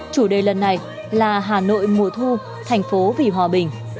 chủ đề lần này là hà nội mùa thu thành phố vì hòa bình